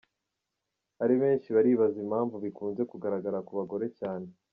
Ari benshi baribaza impamvu bikunze kugaragara ku bagore cyane.